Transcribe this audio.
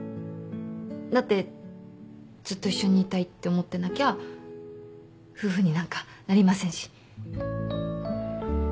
だってずっと一緒にいたいって思ってなきゃ夫婦になんかなりませんし。